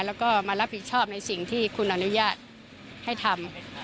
แล้วก็มารับผิดชอบในสิ่งที่คุณอนุญาตให้ทำ